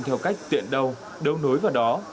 theo cách tuyện đầu đấu nối vào đó